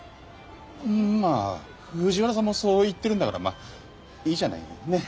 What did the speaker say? まあ藤原さんもそう言ってるんだからまっいいじゃないねっ？